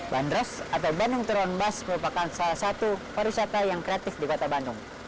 bandros atau bandung toron bus merupakan salah satu pariwisata yang kreatif di kota bandung